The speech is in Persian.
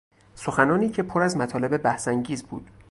سخنانی که پر از مطالب بحثانگیز بود